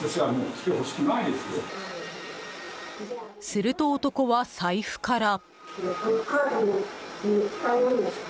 すると、男は財布から。